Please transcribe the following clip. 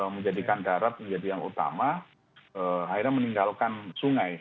menjadikan darat menjadi yang utama akhirnya meninggalkan sungai